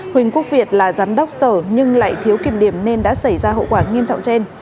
huỳnh quốc việt là giám đốc sở nhưng lại thiếu kiểm điểm nên đã xảy ra hậu quả nghiêm trọng trên